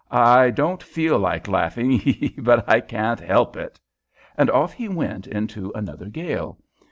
"I I don't feel like laughing hee hee! but I can't help it." And off he went into another gale.